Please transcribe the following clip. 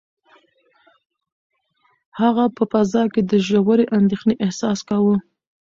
هغه په فضا کې د ژورې اندېښنې احساس کاوه.